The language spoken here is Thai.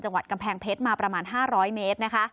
จังหวัดกำแพงเพชรมาประมาณ๕๐๐เมตรนะคะ